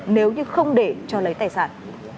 nếu như không để cho lấy tài sản